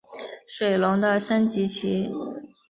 水龙的升级棋。